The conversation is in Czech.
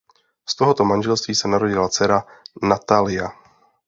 Z tohoto manželství se narodila dcera Natalja.